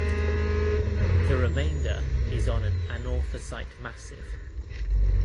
The remainder is on an anorthosite massif.